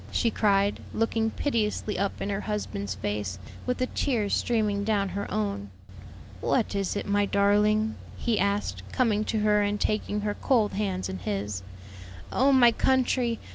she cried, looking piteously up in her husband's face, with the tears streaming down her own. "What is it, my darling?" he asked, coming to her and taking her cold hands in his. "Oh my country!